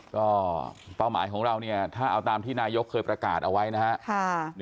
ก็เป้าหมายของเราเนี่ยถ้าเอาตามที่นายกเคยประกาศเอาไว้นะครับ